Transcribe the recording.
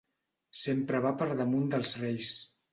Sempre va per damunt dels reis.